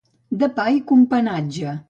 De pa i companatge.